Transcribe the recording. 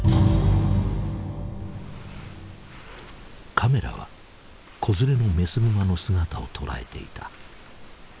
カメラは子連れのメスグマの姿を捉えていた。